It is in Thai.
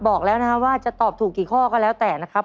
บอกแล้วนะครับว่าจะตอบถูกกี่ข้อก็แล้วแต่นะครับ